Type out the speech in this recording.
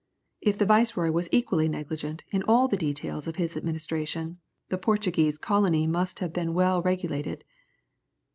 If the viceroy was equally negligent in all the details of his administration, the Portuguese colony must have been well regulated!